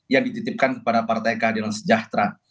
yang dititipkan kepada partai keadilan sejahtera